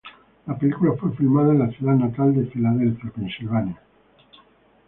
La película fue filmada en la ciudad natal de Filadelfia, Pensilvania.